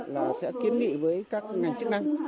là sẽ kiến nghị với các ngành chức năng